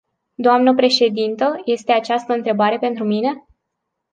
Dnă președintă, este această întrebare pentru mine?